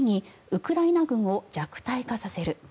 ウクライナ軍を弱体化させる。